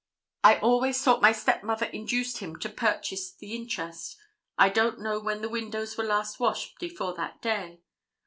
I always thought my stepmother induced him to purchase the interest. I don't know when the windows were last washed before that day.